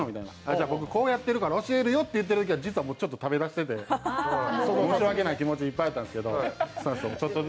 じゃあ僕、こうやってるから教えるよって言ったときは実はちょっと食べ出してて、申し訳ない気持ちでいっぱんやったんですけど。